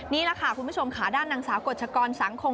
นี่แหละค่ะคุณผู้ชมค่ะด้านนางสาวกฎชกรสังคม